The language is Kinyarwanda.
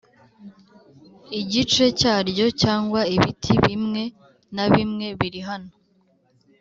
igice cyaryo cyangwa ibiti bimwe na bimwebirihano